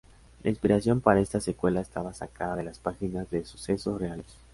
La inspiración para esta secuela estaba sacada de las páginas de sucesos reales.